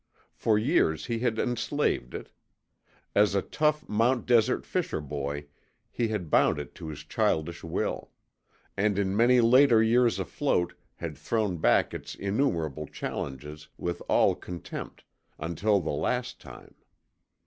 For years he had enslaved it. As a tough Mount Desert fisher boy, he had bound it to his childish will; and in many later years afloat had thrown back its innumerable challenges with all contempt until the Last Time.